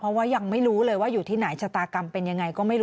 เพราะว่ายังไม่รู้อยู่ที่ไหนชะตากรรมเป็นยังไง